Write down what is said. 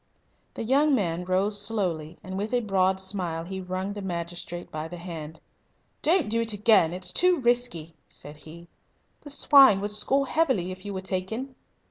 The young man rose slowly, and with a broad smile he wrung the magistrate by the hand. "Don't do it again. It's too risky," said he. "The swine would score heavily if you were taken."